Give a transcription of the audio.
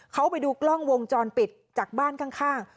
เขาไปดูกล้องวงจรปิดจากบ้านข้าง